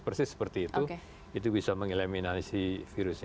persis seperti itu itu bisa mengeleminasi virusnya